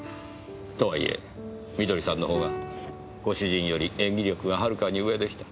とはいえ美登里さんのほうがご主人より演技力ははるかに上でした。